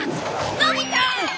のび太！